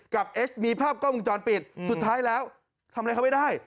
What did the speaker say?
เอสมีภาพกล้องวงจรปิดสุดท้ายแล้วทำอะไรเขาไม่ได้